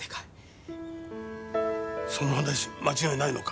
その話間違いないのか？